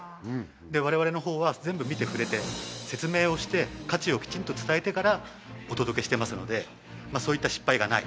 我々の方は全部見て触れて説明をして価値をきちんと伝えてからお届けしてますのでそういった失敗がない